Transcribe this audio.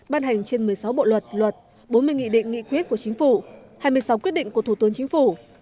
ban hành trên một mươi sáu bộ luật luật bốn mươi nghị định nghị quyết của chính phủ hai mươi sáu quyết định của thủ tướng chính phủ